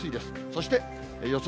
そして予想